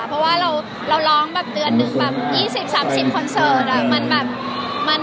เพราะว่าเราร้องแบบเดือนหนึ่งแบบ๒๐๓๐คอนเสิร์ต